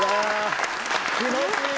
気持ちいい！